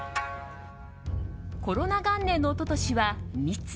コロナ元年の一昨年は「密」